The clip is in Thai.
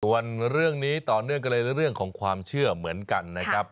ส่วนเรื่องนี้ต่อเนื่องกันเลยเรื่องของความเชื่อเหมือนกันนะครับ